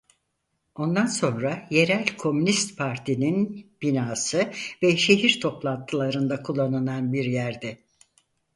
Ondan sonra yerel Komünist Parti'nin binası ve şehir toplantılarında kullanılan bir yerdi.